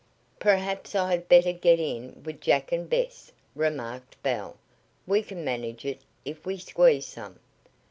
"Perhaps I had better get in with Jack and Bess," remarked Belle. "We can manage it if we squeeze some."